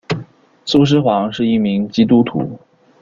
苏施黄是一名基督徒。